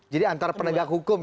jadi antara pendegak hukum ya